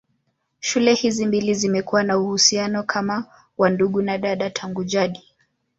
Shule hizi mbili zimekuwa na uhusiano kama wa ndugu na dada tangu jadi.